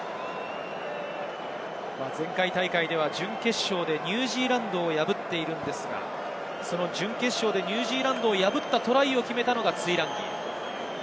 前回大会では準決勝でニュージーランドを破っているんですが、準決勝でニュージーランドを破ったトライを決めたのがトゥイランギ。